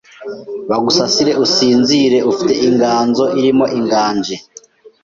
Bagusasire usinzire Ufite inganzo irimo inganji